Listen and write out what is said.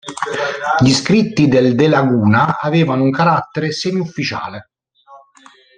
Gli scritti del De Laguna avevano un carattere semi-ufficiale.